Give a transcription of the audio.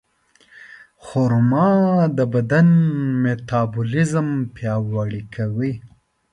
خرما د بدن میتابولیزم پیاوړی کوي.